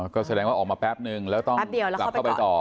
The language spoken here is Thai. ก็แสดงว่าออกมาแป๊บนึงแล้วต้องกลับเข้าไปต่อ